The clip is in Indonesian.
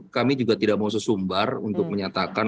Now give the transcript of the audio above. kami juga tidak mau sesumbar untuk menyatakan